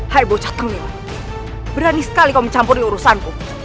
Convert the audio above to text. hai bocah tenggelam berani sekali kau mencampur di urusanku